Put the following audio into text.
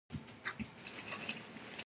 Street also designed the parish school.